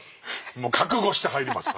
もう覚悟して入ります。